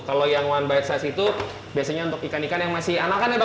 kalau yang one bite size itu biasanya untuk ikan ikan yang masih anakan ya pak